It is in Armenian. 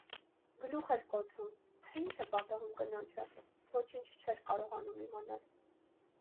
Գլուխ էր կոտրում, թե ինչ է պատահում կնոջը, ոչինչ չէր կարողանում իմանալ: